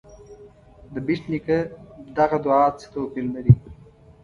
د بېټ نیکه دغه دعا څه توپیر لري.